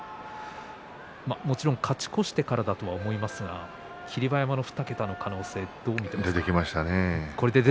もちろん勝ち越してからだと思いますが霧馬山の２桁の可能性出てきましたね。